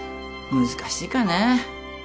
難しいかね。